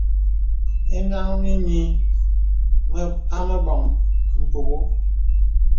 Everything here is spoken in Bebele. Ìmìanə̀ mì nyə̀ à mə bɔŋ mpùŋə̀.